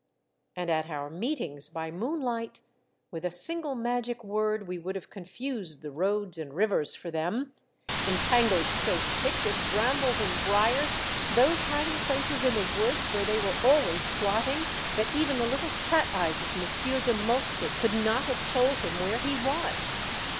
And at our meet ings by moonlight, with a single magic word we would have confused the roads and rivers for them, entangled so thick with brambles and briars those hiding places in the woods where they were always squatting that even the little cat eyes of Monsieur de Moltke could not have told him where he was.